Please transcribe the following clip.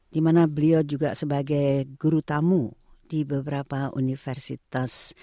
dimana beliau juga sebagai guru tamu di beberapa universitas